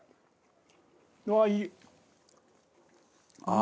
うわーいい！